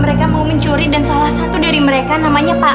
mereka mau mencuri dan salah satu dari mereka namanya pak